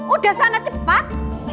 udah sana cepat